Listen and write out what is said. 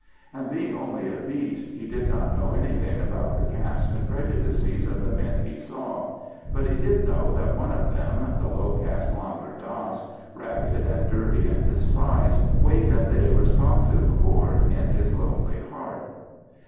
And being only a beast, he did not know anything about the caste and prejudices of the men he saw, but he did know that one of them, the low caste Langur Dass, ragged and dirty and despised, wakened a responsive chord in his lonely heart.